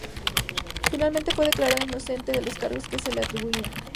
Finalmente fue declarada inocente de los cargos que se le atribuían.